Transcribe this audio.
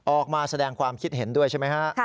ออกมาแสดงความคิดเห็นด้วยใช่ไหมฮะ